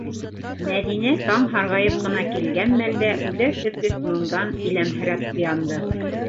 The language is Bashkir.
Мәҙинә таң һарғайып ҡына килгән мәлдә үҙәк өҙгөс моңдан иләмһерәп уянды.